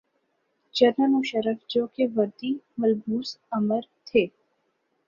General Musharraf جوکہ وردی ملبوس آمر تھے۔